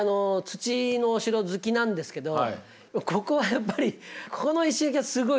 土のお城好きなんですけどここはやっぱりここの石垣はすごいですよ。